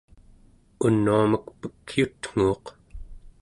unuamek Pekyutnguuq